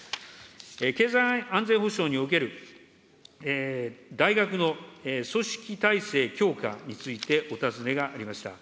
経済安全保障における大学の組織体制強化についてお尋ねがありました。